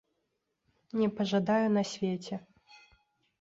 Не пажадаю на свеце.